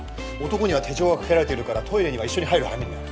男には手錠がかけられてるからトイレには一緒に入る羽目になる。